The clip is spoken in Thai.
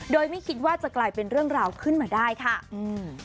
โดยไม่คิดว่าจะกลายเป็นเรื่องราวขึ้นมาได้ค่ะอืม